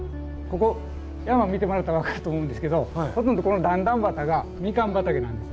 ここ山見てもらったら分かると思うんですけどほとんどこの段々畑がみかん畑なんです。